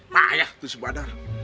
pak ya tuh si badar